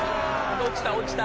落ちた落ちた！